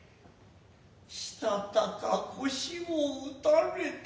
したたか腰を打たれたやら。